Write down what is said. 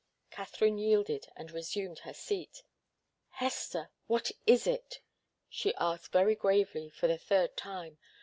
Katharine yielded, and resumed her seat. "Hester, what is it?" she asked very gravely for the third time.